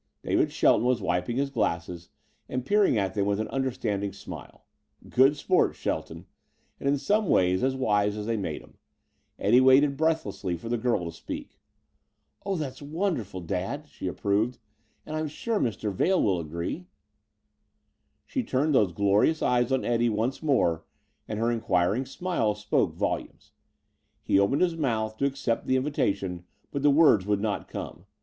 David Shelton was wiping his glasses and peering at them with an understanding smile. Good sport, Shelton and in some ways as wise as they made them. Eddie waited breathlessly for the girl to speak. "Oh, that's wonderful, Dad," she approved; "and I'm sure that Mr. Vail will agree." She turned those glorious eyes on Eddie once more and her inquiring smile spoke volumes. He opened his mouth to accept the invitation but the words would not come.